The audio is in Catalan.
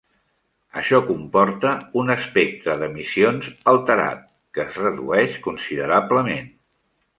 Això comporta un espectre d'emissions alterat, que es redueix considerablement.